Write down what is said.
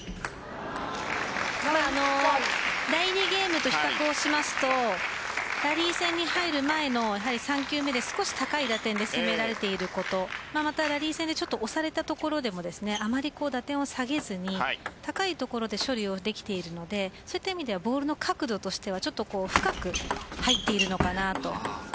第２ゲームと比較をしますとラリー戦に入る前の３球目で少し高い打点で仕留められていることまたラリー戦で少し押されたところでもあまり打点を下げずに高い所で処理をできているのでそういった意味ではボールの角度としては深く入っているのかなと。